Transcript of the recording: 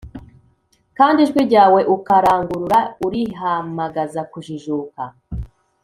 kandi ijwi ryawe ukarangurura urihamagaza kujijuka,